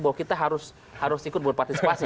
bahwa kita harus ikut untuk partisipasi